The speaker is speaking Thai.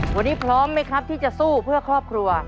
วันนี้พร้อมไหมครับที่จะสู้เพื่อครอบครัว